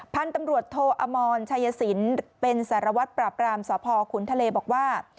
พันธุ์ตำรวจโทอมรชัยสินเป็นสารวัตรปราบรามสพขุนทะเลบอกว่า